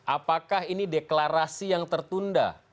apakah ini deklarasi yang tertunda